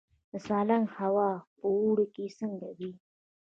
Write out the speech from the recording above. د سالنګ هوا په اوړي کې څنګه وي؟